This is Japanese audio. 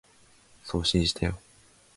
送信したよ